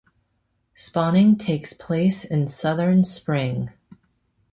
Spawning takes place in southern spring.